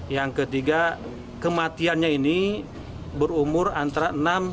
yang ketiga kematiannya ini berumur antara enam